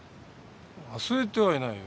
忘れてはいないよ。